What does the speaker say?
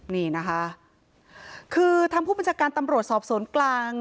นี่นะคะคือทางผู้บัญชาการตำรวจสอบสวนกลาง